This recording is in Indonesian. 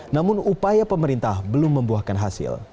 namun upaya pemerintah belum membuahkan hasil